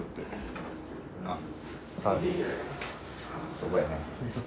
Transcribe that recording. そこやね。